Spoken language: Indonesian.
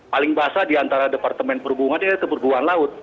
paling basah di antara departemen perhubungan adalah keperguan laut